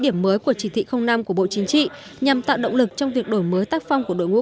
điểm mới của chỉ thị năm của bộ chính trị nhằm tạo động lực trong việc đổi mới tác phong của đội ngũ